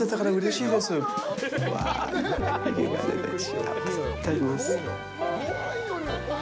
いただきます。